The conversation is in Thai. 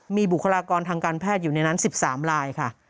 มีบุคลากรทางการแพทย์อยู่ในนั้น๑๓ลายค่ะ